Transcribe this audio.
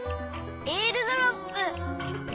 えーるドロップ！